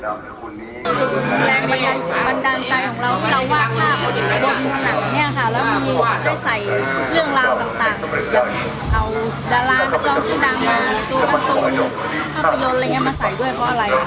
ตัวกันตรงภาพยนตร์อะไรงี้มาใส่ด้วยเพราะอะไรครับ